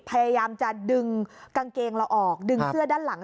พยายามจะดึงกางเกงเราออกดึงเสื้อด้านหลัง